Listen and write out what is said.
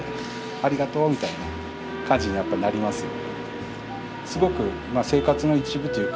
ありがとうみたいな感じにやっぱなりますよ。